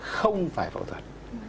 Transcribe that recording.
không phải phẫu thuật